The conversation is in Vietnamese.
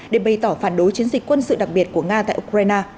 để bày tỏ phản đối chiến dịch quân sự đặc biệt của nga tại ukraine